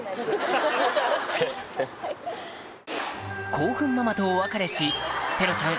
興奮ママとお別れしペロちゃん